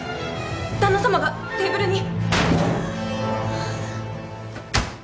旦那さまがテーブルに。